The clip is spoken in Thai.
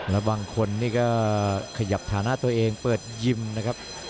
แล้วบางคนนี่ก็ขยับฐานะตัวเองเปิดยิมนะครับ